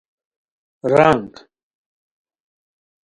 رنگ